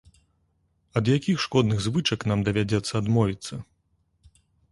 Ад якіх шкодных звычак нам давядзецца адмовіцца?